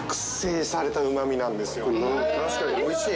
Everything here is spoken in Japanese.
確かにおいしい。